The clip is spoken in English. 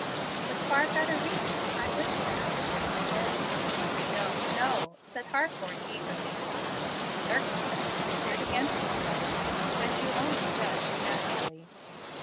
With far better reason I wish to ask your forgive " "No, no," said Harcourt, eagerly; "circumstances appeared against me that evening, and you only judged naturally.